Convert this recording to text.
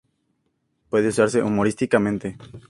Puede usarse humorísticamente.